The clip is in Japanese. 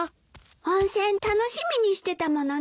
温泉楽しみにしてたものね。